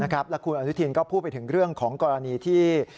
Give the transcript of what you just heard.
แล้วคุณอนุทินก็พูดไปถึงเรื่องของกรณีที่